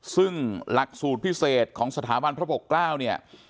ซึ่งหลักสูตรพิเศษของสถาบันพระปกเกล้าเนี่ย